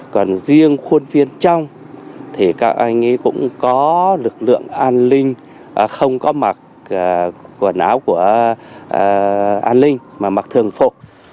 còn riêng khuôn viên trong thì các anh ấy cũng có lực lượng an ninh không có mặc quần áo của an ninh mà mặc thường phục